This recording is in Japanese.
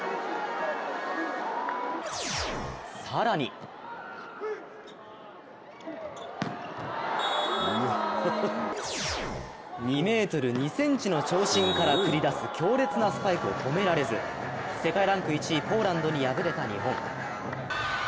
更に２ｍ２ｃｍの長身から繰り出す強烈なスパイクを止められず世界ランク１位ポーランドに敗れた日本。